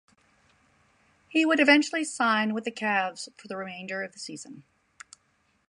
He would eventually sign with the Cavs for the remainder of the season.